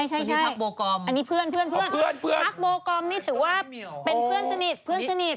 ใช่อันนี้เพื่อนพักโบกรมนี่ถือว่าเป็นเพื่อนสนิท